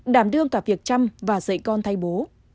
đảm đương cả việc chăm và dạy con thay bố